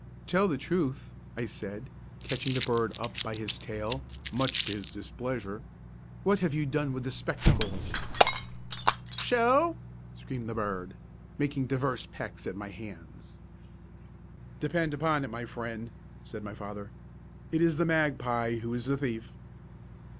"Tell the truth!" I said, catching the bird up by his tail, much to his displeasure. "What have you done with the spectacles?" "Sho!" screamed the bird, making divers pecks at my hands. "Depend upon it, my friend," said my father, "it is the magpie who is the thief."